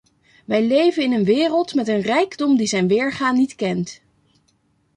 Wij leven in een wereld met een rijkdom die zijn weerga niet kent.